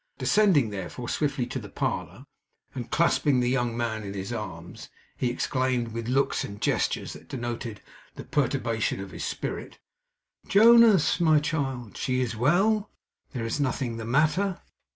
Descending, therefore, swiftly to the parlour, and clasping the young man in his arms, he exclaimed, with looks and gestures that denoted the perturbation of his spirit: 'Jonas. My child she is well! There is nothing the matter?